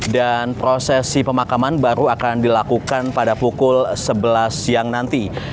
dan proses pemakaman baru akan dilakukan pada pukul sebelas siang nanti